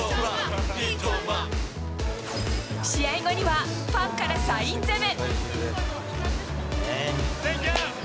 試合後にはファンからサイン攻め。